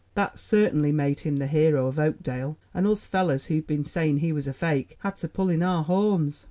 That sartainly made him the hero of Oakdale, and us fellers who'd been sayin' he was a fake had to pull in our horns."